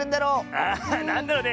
⁉あっなんだろうね。